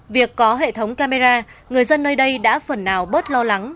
việc có hệ thống camera người dân nơi đây đã phần nào bớt lo lắng